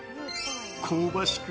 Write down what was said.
香ばしく